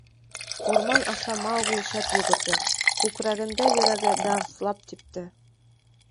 Урман аша Маугли шәп йүгерҙе; күкрәгендә йөрәге дарҫлап типте.